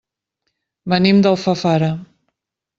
Venim d'Alfafara.